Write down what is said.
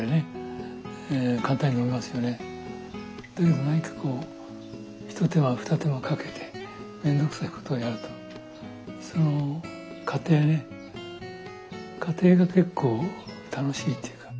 でもなにかこう一手間二手間かけて面倒くさいことをやるとその過程ね過程が結構楽しいっていうか。